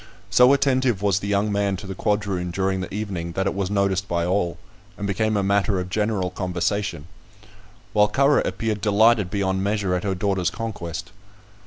So attentive was the young man to the quadroon during the evening that it was noticed by all, and became a matter of general conversation; while Currer appeared delighted beyond measure at her daughter's conquest.